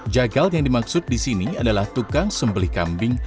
jagal yang dimaksud di sini adalah tukang sembelih kambing